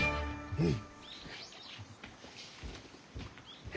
うん！